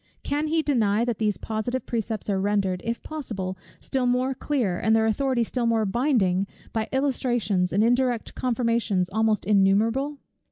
Can he deny that these positive precepts are rendered, if possible, still more clear, and their authority still more binding, by illustrations and indirect confirmations almost innumerable?